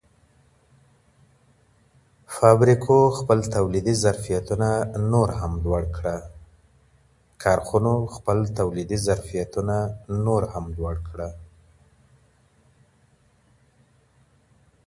فابریکو خپل تولیدي ظرفیت نور هم لوړ کړ.